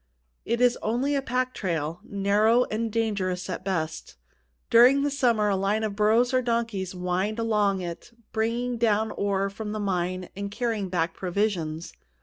It is only a pack trail, narrow and dangerous at best. During the summer a line of burros or donkeys winds along it, bringing down ore from the mine and carrying back provisions.